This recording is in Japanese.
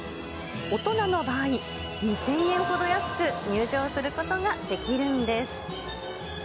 大人の場合、２０００円ほど安く入場することができるんです。